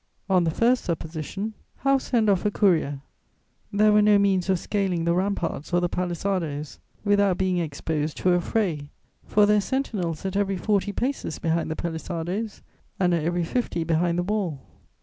On the first supposition, how send off a courier? There were no means of scaling the ramparts or the palisadoes, without being exposed to a fray, for there are sentinels at every forty paces behind the palisadoes, and at every fifty behind the wall.